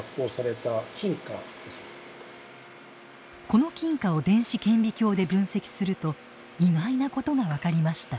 この金貨を電子顕微鏡で分析すると意外なことが分かりました。